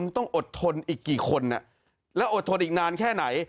ต้องอดทนอีกกี่คนแล้วอดทนอีกนานแค่ไหน